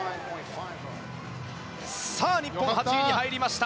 日本、８位に入りました。